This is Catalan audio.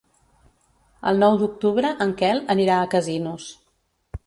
El nou d'octubre en Quel anirà a Casinos.